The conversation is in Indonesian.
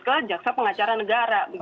ke jaksa pengacara negara